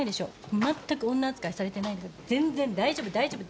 まったく女扱いされてないんだから全然大丈夫大丈夫。